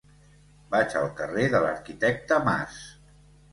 Vaig al carrer de l'Arquitecte Mas.